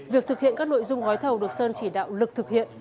việc thực hiện các nội dung gói thầu được sơn chỉ đạo lực thực hiện